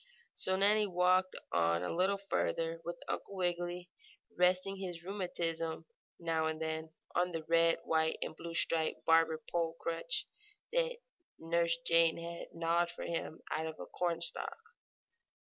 So Nannie walked on a little farther, with Uncle Wiggily resting his rheumatism, now and then, on the red, white and blue striped barber pole crutch that Nurse Jane had gnawed for him out of a cornstalk.